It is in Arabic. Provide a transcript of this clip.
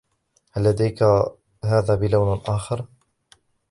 هل لديك هذا بلون آخر ؟